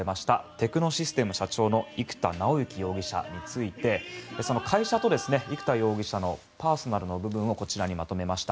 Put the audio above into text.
テクノシステム社長の生田尚之容疑者についてその会社と生田容疑者のパーソナルな部分をこちらにまとめました。